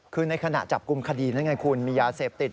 คือในขณะจับกลุ่มคดีนั่นไงคุณมียาเสพติด